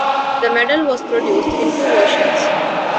The medal was produced in two versions.